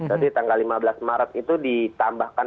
jadi tanggal lima belas maret itu ditambahkan